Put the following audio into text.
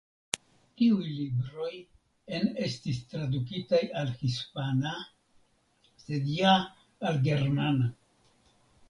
Tiuj libroj en estis tradukitaj al hispana sed ja al germana.